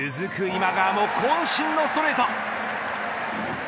今川もこん身のストレート。